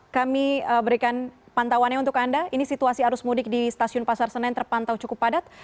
kami berikan pantauannya untuk anda ini situasi arus mudik di stasiun pasar senen terpantau cukup padat